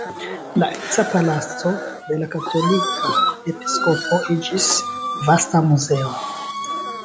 La eksa palaco de la katolika episkopo iĝis vasta muzeo.